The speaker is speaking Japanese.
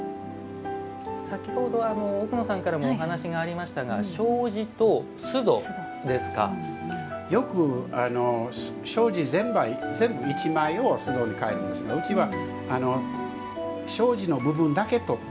先ほどは奥野さんからもお話がありましたがよく障子全部１枚を簾戸に替えるんですけどうちは障子の部分だけ取って。